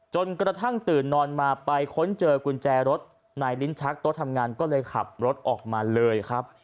จนกระทั่งตื่นนอนมาไปค้นเจอกุญแจรถในลิ้นชักโต๊ะทำงานก็เลยขับรถออกมาเลยครับ